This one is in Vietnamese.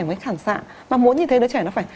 mới khẳng sạn mà muốn như thế đứa trẻ nó phải